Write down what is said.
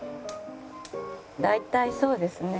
大体そうですね